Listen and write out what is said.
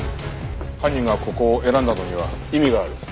犯人がここを選んだのには意味がある。